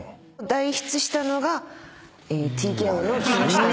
代筆したのがＴＫＯの木下さんです。